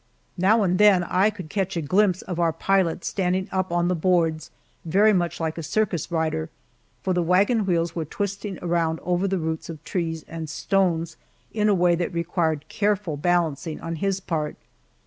Now and then I could catch a glimpse of our pilot standing up on the boards very much like a circus rider, for the wagon wheels were twisting around over the roots of trees and stones, in a way that required careful balancing on his part.